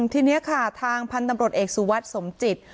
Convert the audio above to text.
ทีนี้ค่ะทางพันธุ์ตำรวจเอกสุวัสดิ์สมจิต